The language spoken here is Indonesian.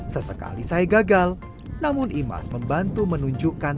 sesekali saya gagal namun imas membantu mencari kerang